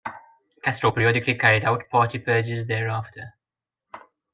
Castro periodically carried out party purges thereafter.